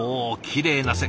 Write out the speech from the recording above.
きれいな線。